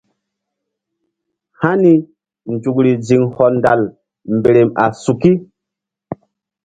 Hani nzukri ziŋ hɔndal mberem a suki.